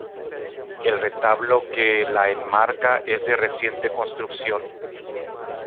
El retablo que la enmarca es de reciente construcción.